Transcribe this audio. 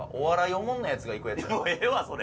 もうええわそれ！